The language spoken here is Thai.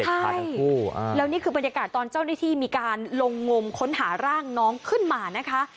ใช่แล้วนี่คือบรรยากาศตอนเจ้าหน้าที่มีการลงงมค้นหาร่างน้องขึ้นมานะคะ